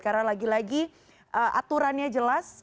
karena lagi lagi aturannya jelas